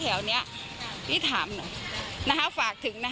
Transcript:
เกิดว่าจะต้องมาตั้งโรงพยาบาลสนามตรงนี้